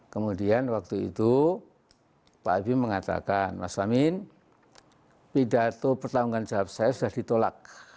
kemudian waktu itu pak habibie mengatakan mas amin pidato pertanggung jawab saya sudah ditolak